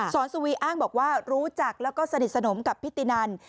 สวีอ้างบอกว่ารู้จักแล้วก็สนิทสนมกับพิตินัน